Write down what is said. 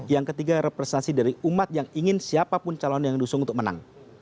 yang ketiga representasi dari umat yang ingin siapapun calon yang diusung untuk menang